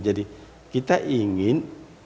jadi kita ingin